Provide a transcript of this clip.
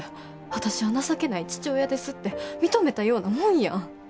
私は情けない父親ですって認めたようなもんやん。